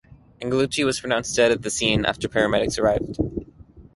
Angelucci was pronounced dead at the scene after paramedics arrived.